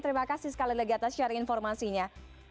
terima kasih sekali lagi atas sharing informasinya